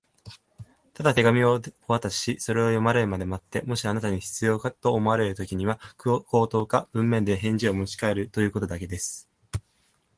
「ただ手紙をお渡しし、それを読まれるまで待って、もしあなたに必要と思われるときには、口頭か文面で返事をもちかえるということだけです」